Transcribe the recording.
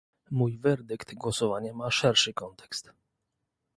Mój werdykt głosowania ma szerszy kontekst